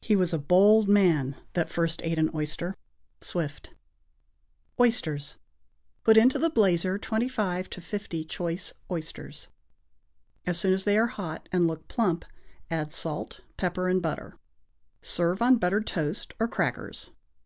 He was a bold man that first ate an oyster. Swift. =Oysters.= Put into the blazer twenty five to fifty choice oysters. As soon as they are hot and look plump, add salt, pepper and butter. Serve on buttered toast or crackers.